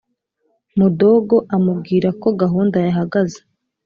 mudogo amubwirako gahunda yahagaze